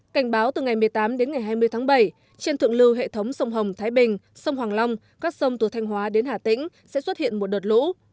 cảnh báo từ ngày một mươi tám đến ngày hai mươi tháng bảy trên thượng lưu hệ thống sông hồng thái bình sông hoàng long các sông từ thanh hóa đến hà tĩnh sẽ xuất hiện một đợt lũ